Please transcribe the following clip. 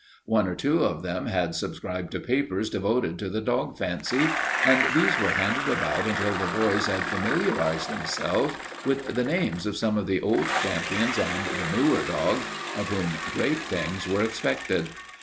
One or two of them had subscribed to papers devoted to the dog fancy and these were handed about until the boys had familiarized themselves with the names of some of the old champions and the newer dogs of whom great things were expected.